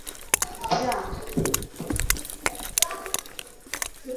专辑中风中的承诺成为其代表作之一。